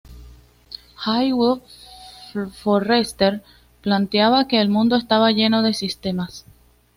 Jay W. Forrester planteaba que el mundo estaba lleno de sistemas.